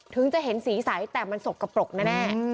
ถึงจะเห็นสีใสแต่มันสกปรกแน่